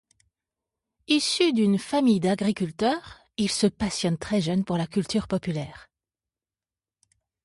Issu d'une famille d'agriculteurs, il se passionne très jeune pour la culture populaire.